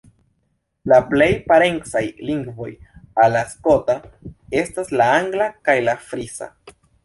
La plej parencaj lingvoj al la skota estas la angla kaj la frisa.